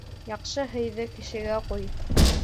Яҡшы һыйҙы кешегә ҡуй